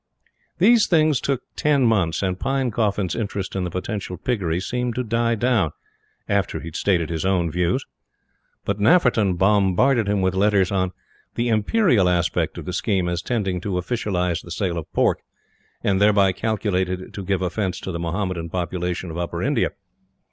These things took ten months, and Pinecoffin's interest in the potential Piggery seemed to die down after he had stated his own views. But Nafferton bombarded him with letters on "the Imperial aspect of the scheme, as tending to officialize the sale of pork, and thereby calculated to give offence to the Mahomedan population of Upper India."